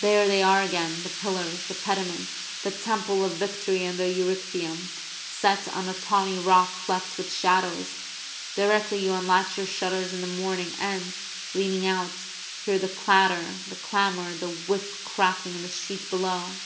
There they are again, the pillars, the pediment, the Temple of Victory and the Erechtheum, set on a tawny rock cleft with shadows, directly you unlatch your shutters in the morning and, leaning out, hear the clatter, the clamour, the whip cracking in the street below.